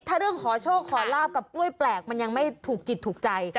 ถ้าเรื่องขอโชคขอลาบกับกล้วยแปลกมันยังไม่ถูกจิตถูกใจ